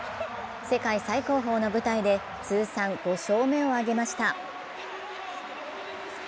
世界最高峰の舞台で通算５勝目を挙げました。